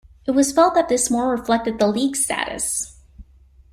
It was felt that this more reflected the League's status.